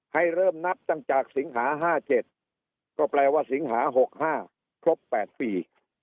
ให้เริ่มนับตั้งแต่สิงหา๕๗ก็แปลว่าสิงหา๖๕ครบ๘ปี